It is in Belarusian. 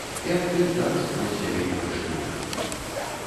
І ад тых дат скрозь зямель пайшлі яны.